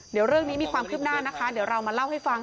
เดี๋ยวเรื่องนี้มีความคืบหน้านะคะเดี๋ยวเรามาเล่าให้ฟัง